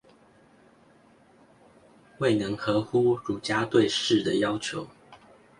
未能合乎儒家對士的要求？